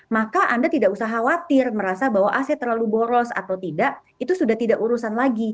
maka anda tidak usah khawatir merasa bahwa aset terlalu boros atau tidak itu sudah tidak urusan lagi